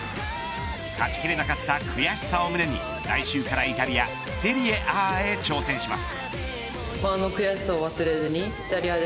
勝ちきれなかった悔しさを胸に来週から、イタリアセリエＡへ挑戦します。